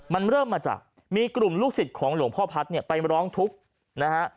มันเริ่มมาจากมีกลุ่มลูกศิษย์ของหลวงพ่อพัฒน์เนี่ยไปร้องทุกข์นะฮะ